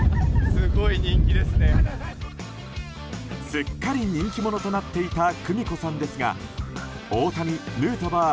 すっかり人気者となっていた久美子さんですが大谷、ヌートバー